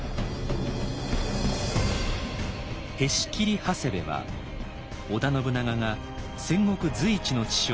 「へし切長谷部」は織田信長が戦国随一の知将